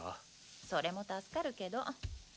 それも助かるけど。